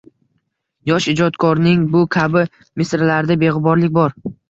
Yosh ijodkorning bu kabi misralarida begʻuborlik bor